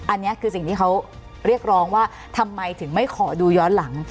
อันนี้คือสิ่งที่เขาเรียกร้องว่าทำไมถึงไม่ขอดูย้อนหลัง